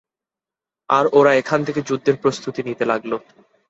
আর ওরা এখান থেকে যুদ্ধের প্রস্তুতি নিতে লাগলো।